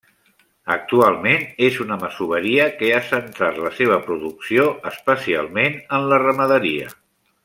Actualment és una masoveria que ha centrat la seva producció especialment en la ramaderia.